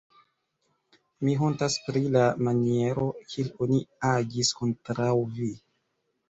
mi hontas pri la maniero, kiel oni agis kontraŭ vi.